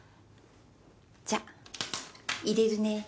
じゃあいれるね。